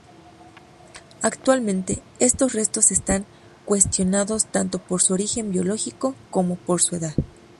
Actualmente, estos restos están cuestionados tanto por su origen biológico como por su edad.